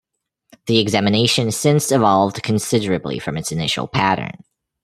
The examination since evolved considerably from its initial pattern.